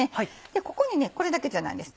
ここにこれだけじゃないんです。